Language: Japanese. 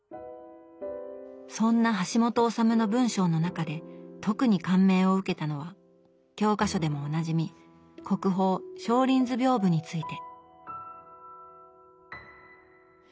そんな橋本治の文章の中で特に感銘を受けたのは教科書でもおなじみ国宝「松林図屏風」について。